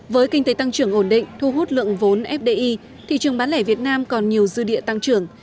với kinh tế tăng trưởng ổn định thu hút lượng vốn fdi thị trường bán lẻ việt nam còn nhiều dư địa tăng trưởng